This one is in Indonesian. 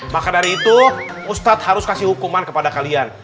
maka dari itu ustadz harus kasih hukuman kepada kalian